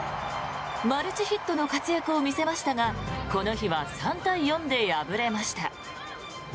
マルチヒットの活躍を見せましたがこの日は３対４で敗れました。